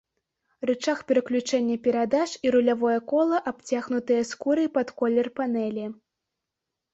Рычаг пераключэння перадач і рулявое кола абцягнутыя скурай пад колер панэлі.